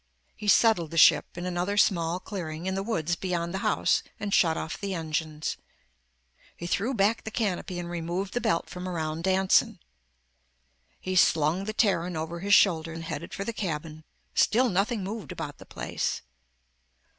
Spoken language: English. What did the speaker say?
He settled the ship in another small clearing, in the woods beyond the house and shut off the engines. He threw back the canopy and removed the belt from around Danson. He slung the Terran over his shoulder and headed for the cabin. Still nothing moved about the place.